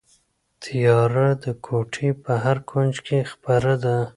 تیاره د کوټې په هر کونج کې خپره ده.